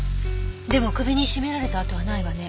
でも首に絞められた痕はないわね。